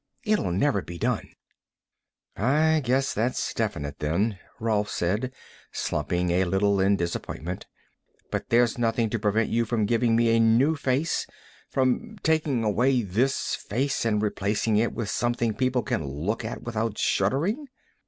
It'll never be done." "I guess that's definite, then," Rolf said, slumping a little in disappointment. "But there's nothing to prevent you from giving me a new face from taking away this face and replacing it with something people can look at without shuddering."